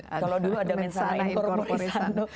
kalau dulu ada mensalain corporisando